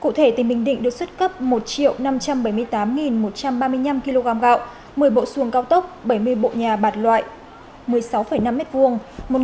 cụ thể tỉnh bình định được xuất cấp một năm trăm bảy mươi tám một trăm ba mươi năm kg gạo một mươi bộ xuồng cao tốc bảy mươi bộ nhà bạc loại một mươi sáu năm m hai